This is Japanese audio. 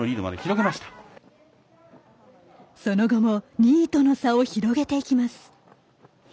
その後も２位との差を広げていきます。